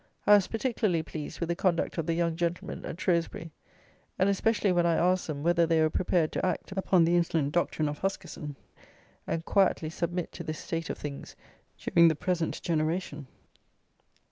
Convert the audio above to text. I was particularly pleased with the conduct of the young gentlemen at Shrewsbury, and especially when I asked them, whether they were prepared to act upon the insolent doctrine of Huskisson, and quietly submit to this state of things "during the present generation"?